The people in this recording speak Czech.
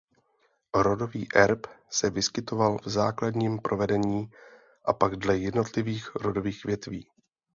Rodový erb se vyskytoval v základním provedení a pak dle jednotlivých rodových větví.